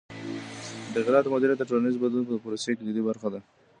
د تغییراتو مدیریت د ټولنیز بدلون د پروسې کلیدي برخه ده.